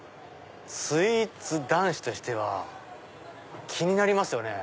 スイーツ男子としては気になりますよね